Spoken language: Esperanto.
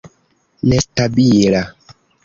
nestabila